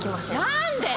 何で？